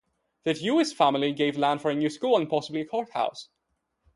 The Dewees family gave land for a new school and possibly a courthouse.